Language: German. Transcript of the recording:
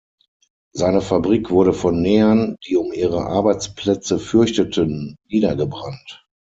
Seine Fabrik wurde von Nähern, die um ihre Arbeitsplätze fürchteten, niedergebrannt.